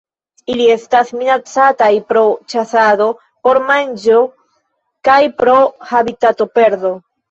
Ili estas minacataj pro ĉasado por manĝo kaj pro habitatoperdo.